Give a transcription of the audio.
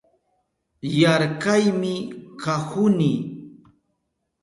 Yarkaymi kahuni